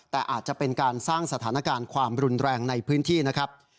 แต่อาจจะเป็นการสร้างสถานการณ์ความรุนแรงในพื้นที่นะครับ